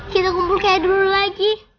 kita kumpul kayak dulu lagi